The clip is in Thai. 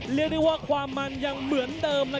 เรียกได้ว่าความมันยังเหมือนเดิม